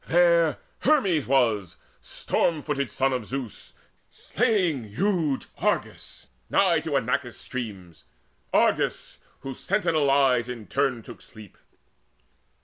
There Hermes was, storm footed Son of Zeus, Slaying huge Argus nigh to Inachus' streams, Argus, whose sentinel eyes in turn took sleep.